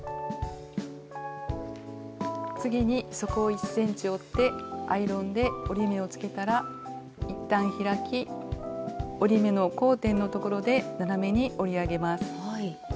次に底を１ｃｍ折ってアイロンで折り目をつけたらいったん開き折り目の交点のところで斜めに折り上げます。